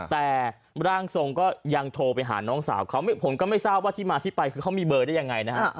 แต่ร่างทรงก็ยังโทรไปหาน้องสาวเขาผมก็ไม่ทราบว่าที่มาที่ไปคือเขามีเบอร์ได้ยังไงนะฮะ